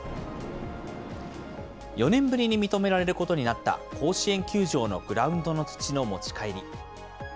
４年ぶりに認められることになった甲子園球場のグラウンドの土の持ち帰り。